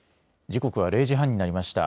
時刻は０時半になりました。